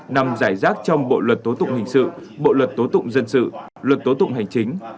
nằm giải rác trong bộ luật tố tụng hình sự bộ luật tố tụng dân sự luật tố tụng hành chính